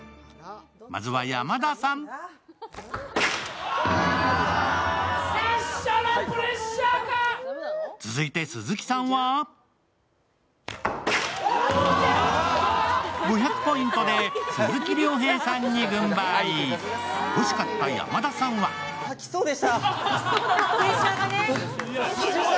まずは山田さん。続いて、鈴木さんは５００ポイントで鈴木亮平さんに軍配惜しかった山田さんは吐きそうでした。